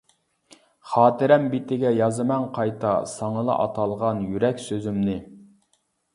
خاتىرەم بېتىگە يازىمەن قايتا، ساڭىلا ئاتالغان يۈرەك سۆزۈمنى.